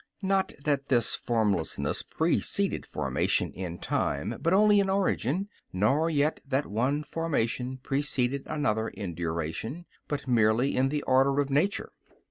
Not that this formlessness preceded formation, in time, but only in origin; nor yet that one formation preceded another in duration, but merely in the order of nature.